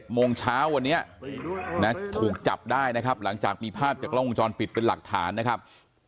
๗โมงเช้าวันนี้ถูกจับได้นะครับ